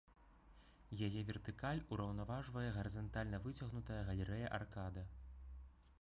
Яе вертыкаль ураўнаважвае гарызантальна выцягнутая галерэя-аркада.